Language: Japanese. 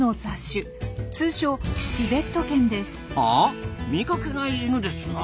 あ見かけないイヌですなあ。